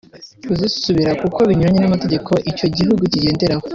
kuzisubiza kuko binyuranye n’amategeko icyo gihugu kigenderaho